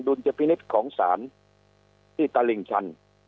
จะพินิษฐ์ของศาลที่ตลิ่งชัน